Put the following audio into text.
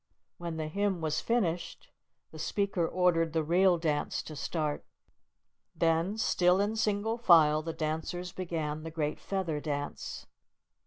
When the hymn was finished, the speaker ordered the real dance to start. Then, still in single file, the dancers began the great Feather Dance.